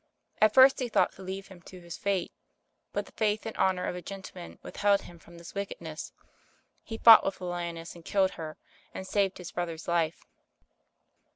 At first he thought to leave him to his fate, but the faith and honor cf a gentleman withheld him from this wickedness. He fought with the lioness and killed her, and saved his brother's life.